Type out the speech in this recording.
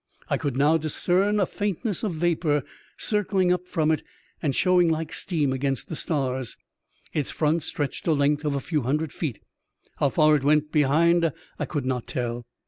I could now discern a faintness of vapour circling up from it and showing like steam against the stars. Its front stretched a length of a few hundred feet; how far it went behind I could not tell.